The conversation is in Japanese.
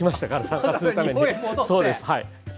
参加するために。